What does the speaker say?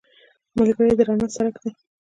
ملګری د رڼا څرک دی